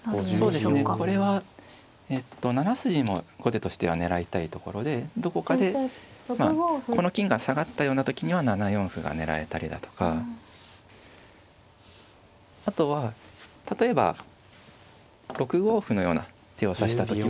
そうですねこれは７筋も後手としては狙いたいところでどこかでまあこの金が下がったような時には７四歩が狙えたりだとかあとは例えば６五歩のような手を指した時は。